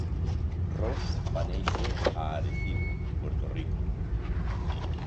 Ross va néixer a Arecibo, Puerto Rico.